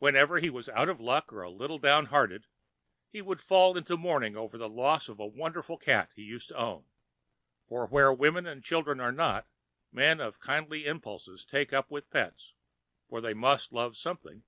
Whenever he was out of luck and a little downhearted, he would fall to mourning over the loss of a wonderful cat he used to own (for where women and children are not, men of kindly impulses take up with pets, for they must love something).